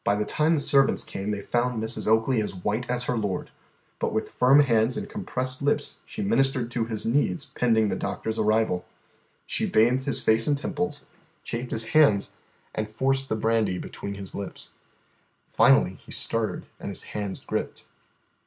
By the time the servants came they found Mrs. Oakley as white as her lord. But with firm hands and compressed lips she ministered to his needs pending the doctor's arrival. She bathed his face and temples, chafed his hands, and forced the brandy between his lips. Finally he stirred and his hands gripped.